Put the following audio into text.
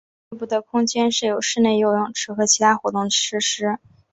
一楼内部的空间设有室内游泳池和其他活动设施。